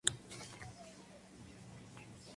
Algo horrible y escandaloso.